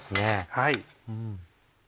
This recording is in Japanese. はい。